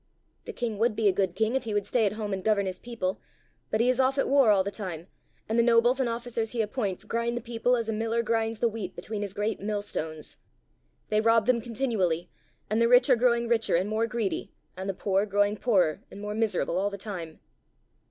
"The king would be a good king if he would stay at home and govern his people. But he is off at war all the time, and the nobles and officers he appoints grind the people as a miller grinds the wheat between his great millstones. They rob them continually, and the rich are growing richer and more greedy and the poor growing poorer and more miserable all the time."